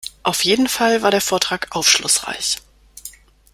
Auf jeden Fall war der Vortrag aufschlussreich.